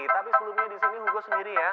tapi sebelumnya disini hugo sendiri ya